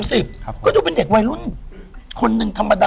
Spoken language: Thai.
เมื่อ๓๐ก็จะเป็นเด็กวัยรุ่นคนหนึ่งธรรมดา